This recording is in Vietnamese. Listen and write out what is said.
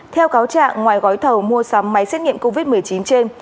theo cáo trạng ngoài gói thầu mua sắm máy xét nghiệm covid một mươi chín trên